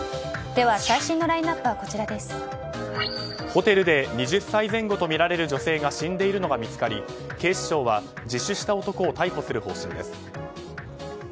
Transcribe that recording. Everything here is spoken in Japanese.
ホテルで２０歳前後とみられる女性が死んでいるのが見つかり警視庁は自首した男を逮捕する方針です。